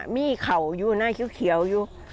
มีเข่าอยู่หน้าเขียวอยู่